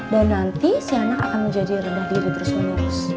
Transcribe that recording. dan nanti si anak akan menjadi rendah diri terus menerus